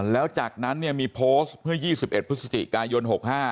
แล้วจากนั้นมีโพสต์เมื่อ๒๑พฤศจิกายน๖๕